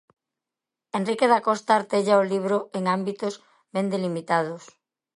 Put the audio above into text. Henrique Dacosta artella o libro en ámbitos ben delimitados.